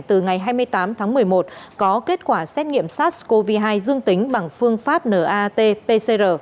từ ngày hai mươi tám tháng một mươi một có kết quả xét nghiệm sars cov hai dương tính bằng phương pháp nat pcr